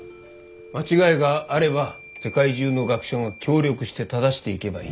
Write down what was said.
間違いがあれば世界中の学者が協力して正していけばいい。